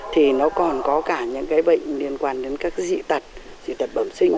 thì nó còn có cả những cái bệnh liên quan đến các dị tật dị tật bẩm sinh